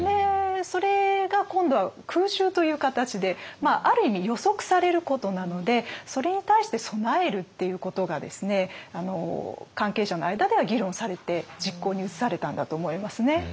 それが今度は空襲という形である意味予測されることなのでそれに対して備えるっていうことが関係者の間では議論されて実行に移されたんだと思いますね。